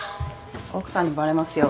奥さんにバレますよ。